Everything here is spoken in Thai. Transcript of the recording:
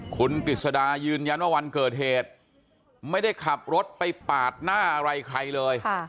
คุณกฤษดายืนยันว่าวันเกิดเหตุไม่ได้ขับรถไปปาดหน้าอะไรใครเลย